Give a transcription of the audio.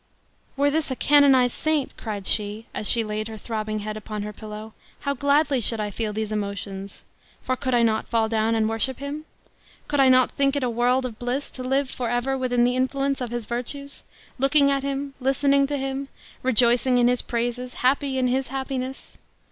"Were this a canonized saint," cried she, as she laid her throbbing head upon her pillow, "how gladly should I feel these emotions! For, could I not fall down and worship him? Could I not think it a world of bliss, to live forever within the influence of his virtues; looking at him, listening to him, rejoicing in his praises, happy in his happiness!